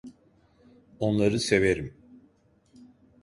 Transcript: Onları severim.